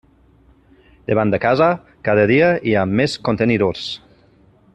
Davant de casa cada dia hi ha més contenidors.